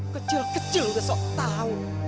kecil kecil udah sok tahun